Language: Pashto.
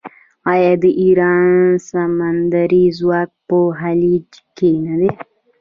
آیا د ایران سمندري ځواک په خلیج کې نه دی؟